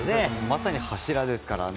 まさに柱ですからね。